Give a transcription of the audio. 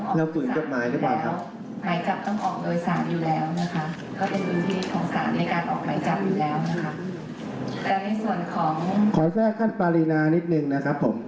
หลังใช่ครับแต่มันจับได้รอบเดียว